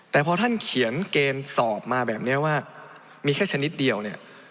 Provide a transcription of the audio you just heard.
แต่พอท่านเขียนเกณฑ์สอบมาแบบนี้ว่ามีแค่ชนิดเดียวเนี่ย